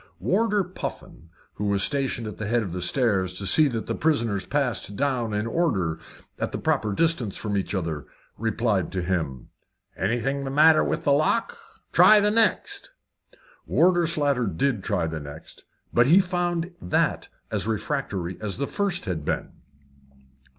Warder Puffin, who was stationed at the head of the stairs to see that the prisoners passed down in order, at the proper distance from each other, replied to him. "Anything the matter with the lock? Try the next." Warder Slater did try the next, but he found that as refractory as the first had been.